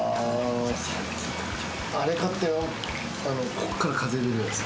こっから風出るやつ。